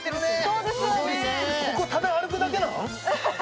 ここ、ただ歩くだけなん？